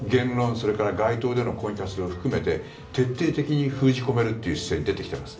それから街頭での抗議活動を含めて徹底的に封じ込める姿勢に出てきています。